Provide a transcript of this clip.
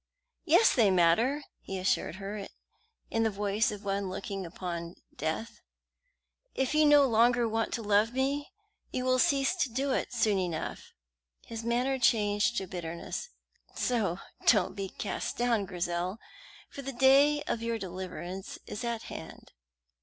"Yes, they matter," he assured her, in the voice of one looking upon death. "If you no longer want to love me, you will cease to do it soon enough." His manner changed to bitterness. "So don't be cast down, Grizel, for the day of your deliverance is at hand."